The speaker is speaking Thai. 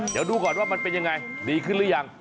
เดี๋ยวดูก่อนว่ามันเป็นยังไงดีขึ้นหรือยัง